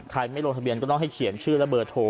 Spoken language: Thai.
ไม่ลงทะเบียนก็ต้องให้เขียนชื่อและเบอร์โทร